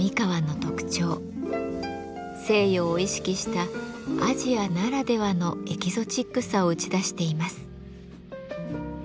西洋を意識したアジアならではのエキゾチックさを打ち出しています。